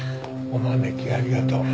お招きありがとう。